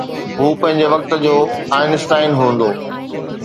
هو پنهنجي وقت جو آئن اسٽائن هوندو.